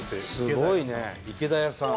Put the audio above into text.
すごいね「池田屋」さん。